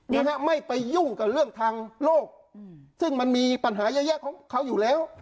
นะฮะไม่ไปยุ่งกับเรื่องทางโลกอืมซึ่งมันมีปัญหาเยอะแยะของเขาอยู่แล้ว